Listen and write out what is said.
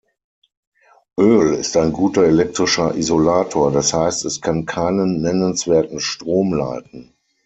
Öl ist ein guter elektrischer Isolator, das heißt, es kann keinen nennenswerten Strom leiten.